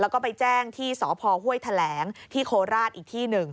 แล้วก็ไปแจ้งที่สพห้วยแถลงที่โคราชอีกที่หนึ่ง